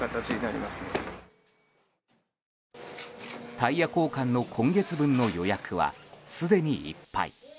タイヤ交換の今月分の予約はすでにいっぱい。